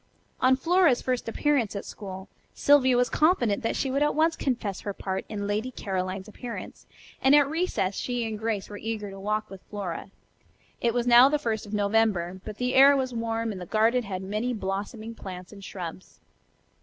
On Flora's first appearance at school Sylvia was confident that she would at once confess her part in "Lady Caroline's" appearance, and at recess she and Grace were eager to walk with Flora. It was now the first of November, but the air was warm and the garden had many blossoming plants and shrubs.